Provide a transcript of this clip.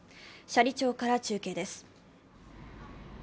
斜里町から中継です。